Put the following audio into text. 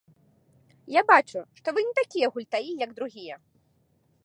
Я бачу, што вы не такія гультаі, як другія.